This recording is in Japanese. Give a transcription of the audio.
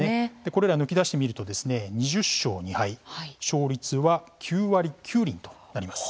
これら抜き出してみると２０勝２敗勝率は９割９厘となります。